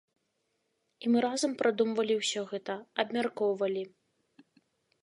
І мы разам прадумвалі ўсё гэта, абмяркоўвалі.